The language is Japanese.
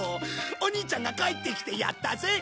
お兄ちゃんが帰ってきてやったぜ！